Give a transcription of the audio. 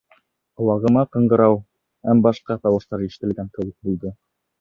Ҡолағыма ҡыңғырау һәм башҡа тауыштар ишетелгән кеүек булды.